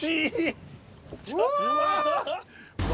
・うわ！